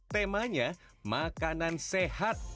temanya makanan sehat